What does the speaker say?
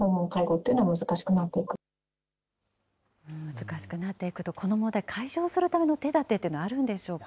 難しくなっていくと、この問題、解消するための手だてっていうのはあるんでしょうか。